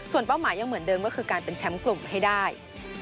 เป้าหมายยังเหมือนเดิมก็คือการเป็นแชมป์กลุ่มให้ได้